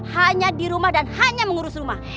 hanya di rumah dan hanya mengurus rumah